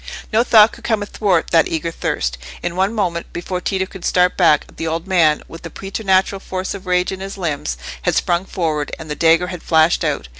No thought could come athwart that eager thirst. In one moment, before Tito could start back, the old man, with the preternatural force of rage in his limbs, had sprung forward, and the dagger had flashed out.